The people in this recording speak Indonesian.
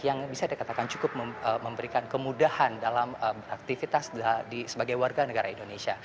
yang bisa dikatakan cukup memberikan kemudahan dalam beraktivitas sebagai warga negara indonesia